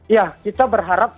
ya kita berharap